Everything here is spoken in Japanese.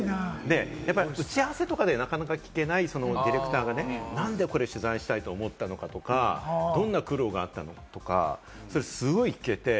やっぱり打ち合わせなんかで、なかなか聞けないディレクターが何でこれ取材したのかとか、どんな苦労があったの？とか、すごい聞けて。